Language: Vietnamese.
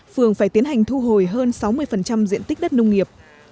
phường phải tiến hành thu hồi hơn sáu mươi diện tích đất nông nghiệp